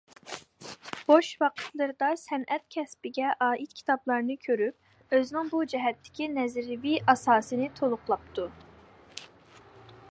بوش ۋاقىتلىرىدا سەنئەت كەسپىگە ئائىت كىتابلارنى كۆرۈپ، ئۆزىنىڭ بۇ جەھەتتىكى نەزەرىيەۋى ئاساسىنى تولۇقلاپتۇ.